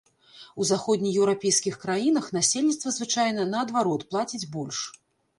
У заходнееўрапейскіх краінах насельніцтва звычайна наадварот плаціць больш.